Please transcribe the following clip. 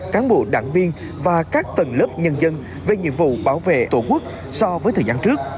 cán bộ đảng viên và các tầng lớp nhân dân về nhiệm vụ bảo vệ tổ quốc so với thời gian trước